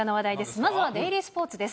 まずはデイリースポーツです。